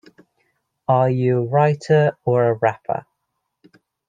Are you a writer or a wrapper?